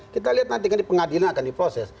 kita lihat nanti pengadilan akan diproses